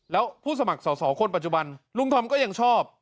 แล้วผู้สมัครสอสอคนปัจจุบันลุงธอมก็ยังชอบ